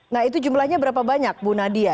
nah itu jumlahnya berapa banyak bu nadia